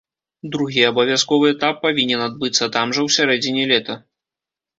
Другі абавязковы этап павінен адбыцца там жа ў сярэдзіне лета.